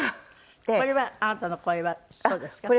これはあなたのこれはそうですか？